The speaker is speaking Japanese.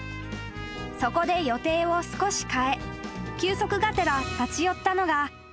［そこで予定を少し変え休息がてら立ち寄ったのが］